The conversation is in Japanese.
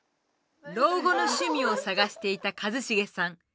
老後の趣味を探していた和成さん。